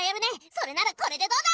それならこれでどうだ！？